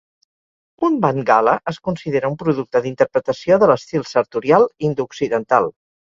Un Bandhgala es considera un producte d'interpretació de l'estil sartorial indo-occidental.